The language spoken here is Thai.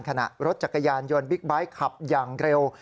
ขณะรถจักรยานยนต์บิ๊กไบท์ขับอย่างเร็ว